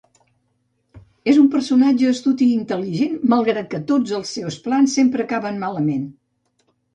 És un personatge astut i intel·ligent, malgrat que tots els seus plans sempre acaben malament.